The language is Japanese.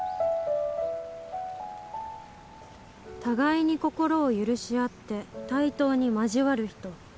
「互いに心を許し合って、対等に交わる人」